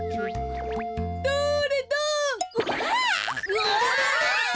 うわ。